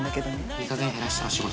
いいかげん減らしたら仕事。